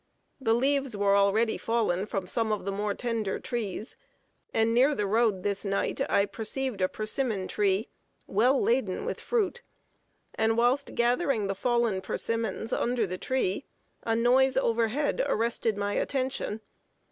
The leaves were already fallen from some of the more tender trees, and near the road I this night perceived a persimmon tree, well laden with fruit, and whilst gathering the fallen persimmons under the tree, a noise over head arrested my attention.